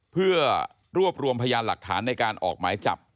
เพื่อรวบรวมพยานหลักฐานในการออกหมายจับ